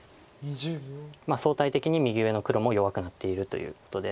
相対的に右上の黒も弱くなっているということで。